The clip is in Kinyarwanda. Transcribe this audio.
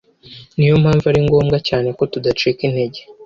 Ni yo mpamvu ari ngombwa cyane ko tudacika intege,